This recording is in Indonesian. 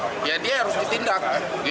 ya dia harus ditindak